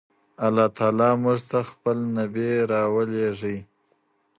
الله تعالی موږ ته خپل نبي راوليږی.